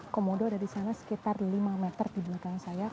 komodo ada di sana sekitar lima meter di belakang saya